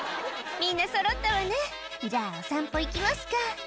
「みんなそろったわねじゃあお散歩行きますか」